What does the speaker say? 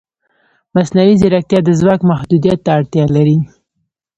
مصنوعي ځیرکتیا د ځواک محدودیت ته اړتیا لري.